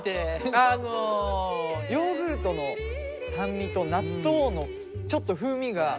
あのヨーグルトの酸味と納豆のちょっと風味が。